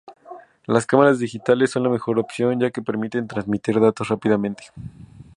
Las cámaras digitales son la mejor opción ya que permiten transmitir datos rápidamente.